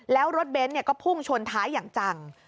แล้วรถเบนท์ก็พุ่งชนท้ายอย่างจัง